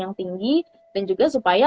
yang tinggi dan juga supaya